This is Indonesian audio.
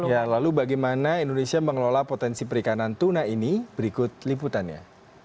ya lalu bagaimana indonesia mengelola potensi perikanan tuna ini berikut liputannya